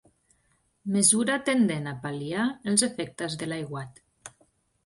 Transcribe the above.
Mesura tendent a pal·liar els efectes de l'aiguat.